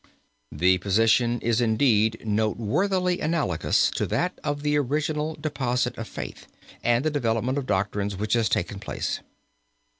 The position is indeed noteworthily analagous to that of the original deposit of faith and the development of doctrine which has taken place.